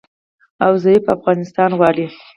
او ضعیفه افغانستان غواړي